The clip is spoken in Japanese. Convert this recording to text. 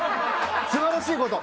素晴らしいこと。